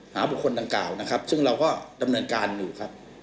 บุคคลดังกล่าวนะครับซึ่งเราก็ดำเนินการอยู่ครับ